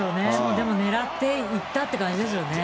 でも狙っていったって感じですよ